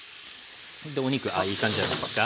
でお肉いい感じじゃないですか。